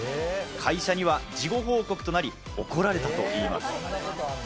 会社には事後報告となり、怒られたといいます。